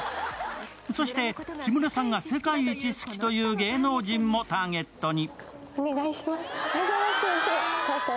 そして、木村さんが世界一好きという芸能人もターゲットに。